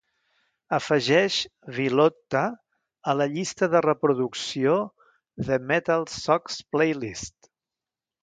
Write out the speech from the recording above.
Afegeix Villotta a la llista de reproducció The MetalSucks Playlist